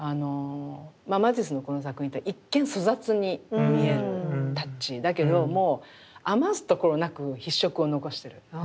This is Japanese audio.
マティスのこの作品って一見粗雑に見えるタッチだけども余すところなく筆触を残してる。